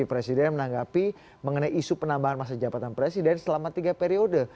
presiden menanggapi mengenai isu penambahan masa jabatan presiden selama tiga periode